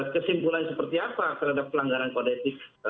kesimpulan seperti apa terhadap pelanggaran politik